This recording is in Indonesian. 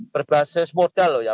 berbasis modal loh ya